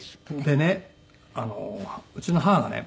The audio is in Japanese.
でねうちの母がね